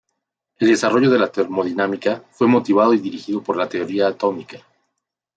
El desarrollo de la termodinámica fue motivado y dirigido por la teoría atómica.